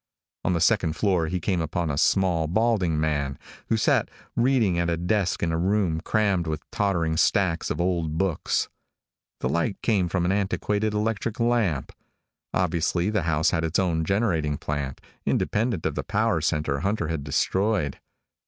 On the second floor he came upon a small, balding man who sat reading at a desk in a room crammed with tottering stacks of old books. The light came from an antiquated electric lamp. Obviously the house had its own generating plant, independent of the power center Hunter had destroyed.